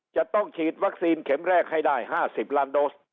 จะต้องฉีดวัคซีนเข็มแรกให้ได้๕๐ล้านโดส